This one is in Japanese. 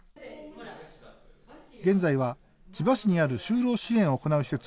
現在は、千葉市にある就労支援を行う施設